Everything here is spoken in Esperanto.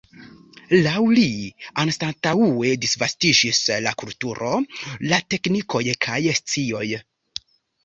Laŭ li, anstataŭe disvastiĝis la kulturo, la teknikoj kaj scioj.